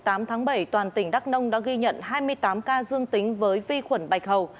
ngày tám tháng bảy toàn tỉnh đắk nông đã ghi nhận hai mươi tám ca dương tính với vi khuẩn bạch hầu